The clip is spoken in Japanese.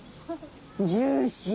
ジューシー！